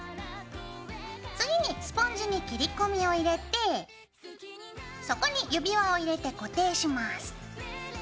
次にスポンジに切り込みを入れてそこに指輪を入れて固定します。